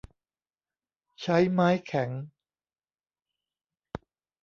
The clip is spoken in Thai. ใช้ไม้แข็ง